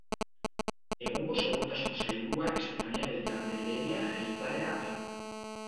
Egungo Segurtasun Sailburua Estefania Beltran de Heredia jeltzalea da.